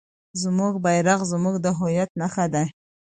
زموږ بیرغ زموږ د هویت نښه ده.